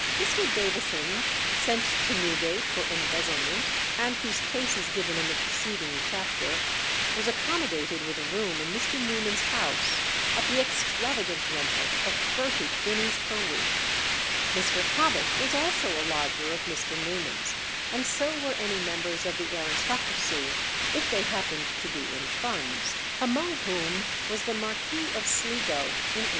Mr. Davison, sent to Newgate for embezzlement, and whose case is given in the preceding chapter, was accommodated with a room in Mr. Newman's house at the extravagant rental of thirty guineas per week; Mr. Cobbett was also a lodger of Mr. Newman's; and so were any members of the aristocracy, if they happened to be in funds among whom was the Marquis of Sligo in 1811.